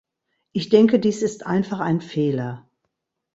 Ich denke, dies ist einfach ein Fehler.